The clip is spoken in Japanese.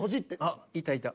あっいたいた。